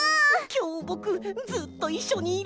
きょうぼくずっといっしょにいる！